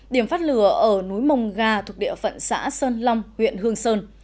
điểm phát lửa ở núi mồng gà thuộc địa phận xã sơn long huyện hương sơn